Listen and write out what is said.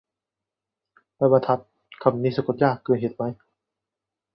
ไม้บรรทัด คำนี้สะกดยากเกินเหตุไหม